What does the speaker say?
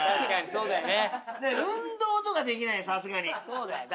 そうだよね。